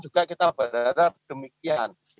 juga kita berharap demikian